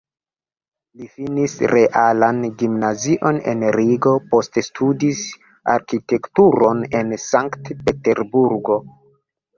Li finis realan gimnazion en Rigo, poste studis arkitekturon en Sankt-Peterburgo.